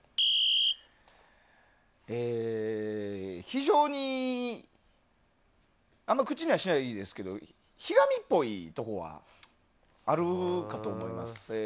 非常に、口にはしないですけどひがみっぽいところがあるかと思います。